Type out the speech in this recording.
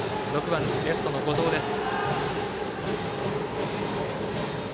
６番、レフトの後藤です。